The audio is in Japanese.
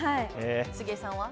杉江さんは？